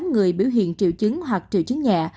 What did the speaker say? hai mươi tám người biểu hiện triệu chứng hoặc triệu chứng nhẹ